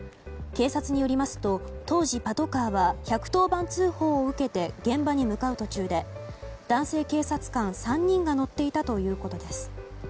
警察によりますと当時、パトカーは１１０番通報を受けて現場に向かう途中で男性警察官３人が乗っていたということです。